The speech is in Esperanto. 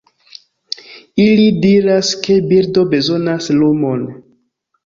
Ili diras ke birdo bezonas lumon.